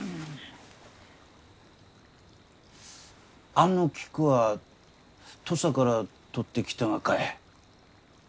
あの菊は土佐から採ってきたがかえ？